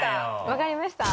わかりました。